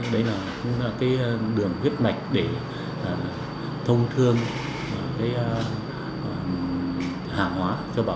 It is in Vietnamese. đấy cũng là cái đường viết mạch để thông thương hàng hóa